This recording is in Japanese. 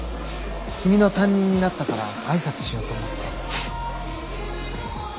君の担任になったから挨拶しようと思って。